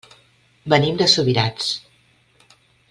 Venim de Subirats.